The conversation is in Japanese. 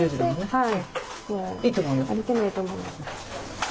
はい。